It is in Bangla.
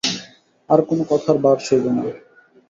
আর কোনো কথার ভার সইবে না।